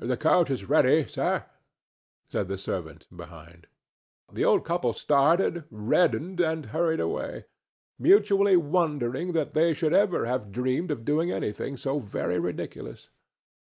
"The coach is ready, sir," said the servant, behind. The old couple started, reddened and hurried away, mutually wondering that they should ever have dreamed of doing anything so very ridiculous.